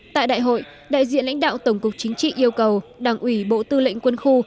tại đại hội đại diện lãnh đạo tổng cục chính trị yêu cầu đảng ủy bộ tư lệnh quân khu